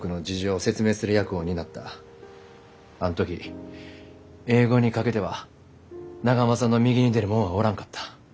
あん時英語にかけては中濱さんの右に出る者はおらんかった。